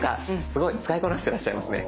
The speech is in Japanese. すごい使いこなしていらっしゃいますね。